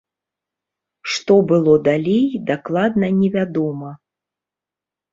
Што было далей дакладна невядома.